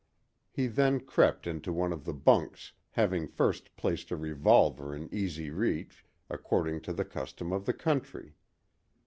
He then crept into one of the "bunks," having first placed a revolver in easy reach, according to the custom of the country.